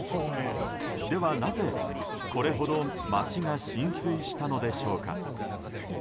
では、なぜこれほど街が浸水したのでしょうか。